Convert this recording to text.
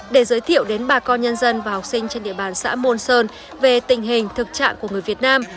để giới thiệu đến bà con nhân dân và học sinh trên địa bàn xã môn sơn về tình hình thực trạng của người việt nam